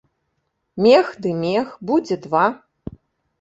Мех ды мех, будзе два.